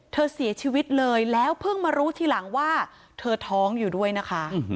เสียชีวิตเลยแล้วเพิ่งมารู้ทีหลังว่าเธอท้องอยู่ด้วยนะคะ